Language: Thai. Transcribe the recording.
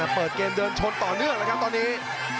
เปิดเกมเดินชนต่อเนื่องแล้วครับตอนนี้